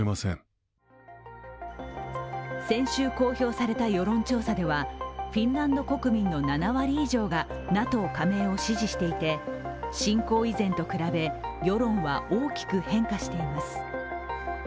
先週公表された世論調査ではフィンランド国民の７割以上がＮＡＴＯ加盟を支持していて侵攻以前と比べ、世論は大きく変化しています。